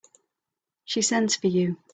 She sends for you.